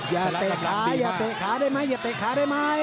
เตะขาอย่าเตะขาได้ไหมอย่าเตะขาได้ไหม